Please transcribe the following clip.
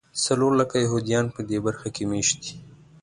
څلور لکه یهودیان په دې برخه کې مېشت دي.